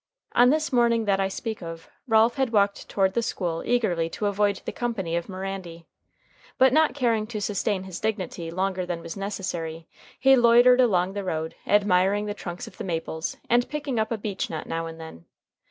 On this morning that I speak of, Ralph had walked toward the school early to avoid the company of Mirandy. But not caring to sustain his dignity longer than was necessary, he loitered along the road, admiring the trunks of the maples, and picking up a beech nut now and then.